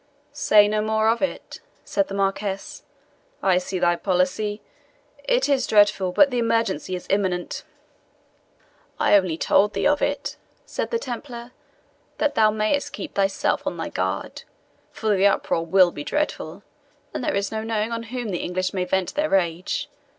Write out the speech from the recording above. "Say no more of it," said the Marquis; "I see thy policy it is dreadful, but the emergency is imminent." "I only told thee of it," said the Templar, "that thou mayest keep thyself on thy guard; for the uproar will be dreadful, and there is no knowing on whom the English may vent their rage.